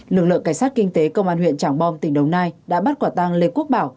lực lượng cảnh sát kinh tế công an huyện trảng bom tỉnh đồng nai đã bắt quả tang lê quốc bảo